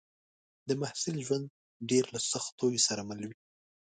د محصل ژوند ډېر له سختیو سره مل وي